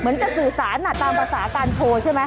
จะสื่อสารตามภาษาการโชว์ใช่ไหม